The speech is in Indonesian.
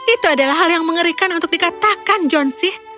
itu adalah hal yang mengerikan untuk dikatakan johnsy